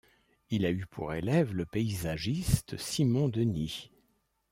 Il a eu pour élève le paysagiste Simon Denis.